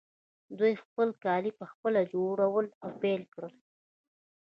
دوی خپل کالي پخپله جوړول پیل کړل.